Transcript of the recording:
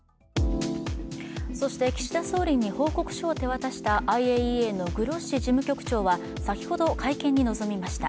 そして、岸田総理に報告書を手渡したＩＡＥＡのグロッシ事務局長は先ほど会見に臨みました。